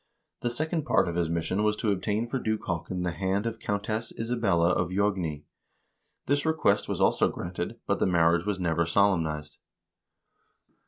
The second part of his mis sion was to obtain for Duke Haakon the hand of Countess Isabella of Joigny. This request was also granted, but the marriage was never solemnized.